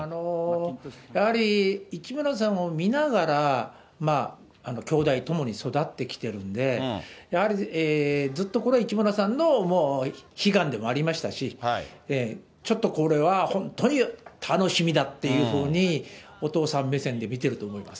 やはり市村さんを見ながら、兄弟ともに育ってきてるんで、やはりずっとこれは市村さんの悲願でもありましたし、ちょっとこれは、本当に楽しみだっていうふうに、お父さん目線で見てると思います。